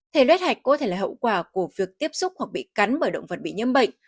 thể luết hạch có thể là hậu quả của việc tiếp xúc hoặc bị cắn bởi động vật bị nhiễm bệnh